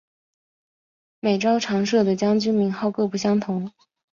每朝常设的将军名号各不相同。